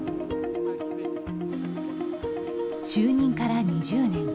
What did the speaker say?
就任から２０年。